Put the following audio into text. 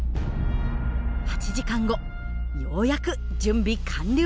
８時間後ようやく準備完了。